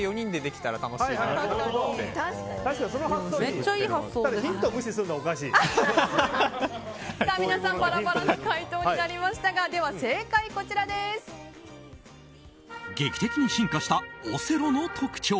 ただヒントをバラバラな解答になりましたが劇的に進化したオセロの特徴。